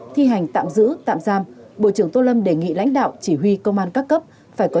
thi hành tạm giữ tạm giam bộ trưởng tô lâm đề nghị lãnh đạo chỉ huy công an các cấp phải có